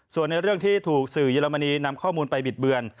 ส่วนในเรื่องที่ถูกสื่อเยอรมนีนำข้อมูลไปบิดเบือน